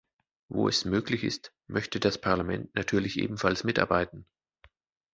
Wo es möglich ist, möchte das Parlament natürlich ebenfalls mitarbeiten.